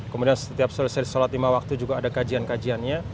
kemudian setiap selesai sholat lima waktu juga ada kajian kajiannya